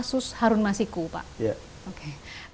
kasus harun masiku ini kan kemudian menjadi juga buah bibir lagi lagi gitu